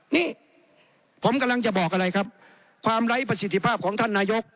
นี่ผมกำลังจะบอกอะไรครับความไร้ประสิทธิภาพของท่านนายก